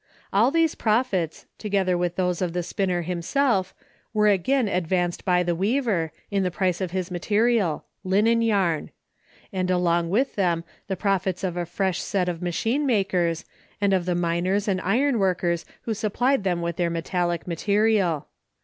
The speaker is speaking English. All these profits, together with those of the spinner himself, were again advanced by the weaver, in the price of his material—linen yarn; and along with them the profits of a fresh set of machine makers, and of the miners and iron workers who supplied them with their metallic material.